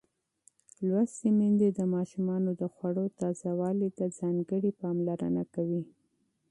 لوستې میندې د ماشومانو د خوړو تازه والي ته ځانګړې پاملرنه کوي.